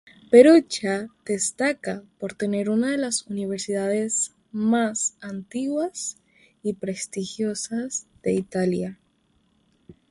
Perugia destaca por tener una de las universidades más antiguas y prestigiosas de Italia.